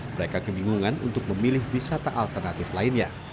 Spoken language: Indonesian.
mereka kebingungan untuk memilih wisata alternatif lainnya